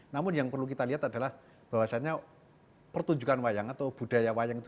namun yang perlu kita lihat adalah bahwasannya pertunjukan wayang atau budaya wayang itu